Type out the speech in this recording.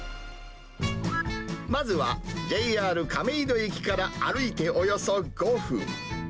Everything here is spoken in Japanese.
まずは、ＪＲ亀戸駅から歩いておよそ５分。